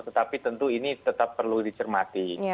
tetapi tentu ini tetap perlu dicermati